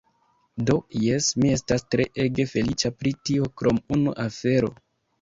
Do, jes, mi estas tre ege feliĉa pri tio krom unu afero!